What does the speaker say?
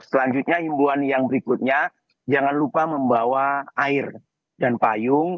selanjutnya imbuan yang berikutnya jangan lupa membawa air dan payung